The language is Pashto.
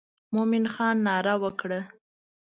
مومن خان ناره وکړه.